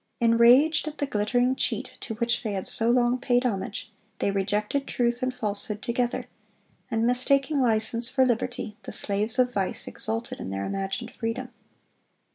Enraged at the glittering cheat to which they had so long paid homage, they rejected truth and falsehood together; and mistaking license for liberty, the slaves of vice exulted in their imagined freedom.